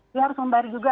kita harus membayar juga